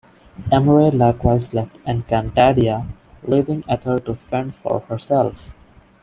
Emre likewise left Encantadia, leaving Ether to fend for herself.